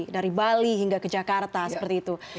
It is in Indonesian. dari bali hingga ke jakarta seperti itu